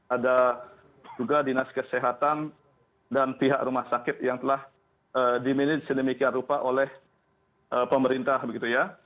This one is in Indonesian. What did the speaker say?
ada juga dinas kesehatan dan pihak rumah sakit yang telah di manage sedemikian rupa oleh pemerintah begitu ya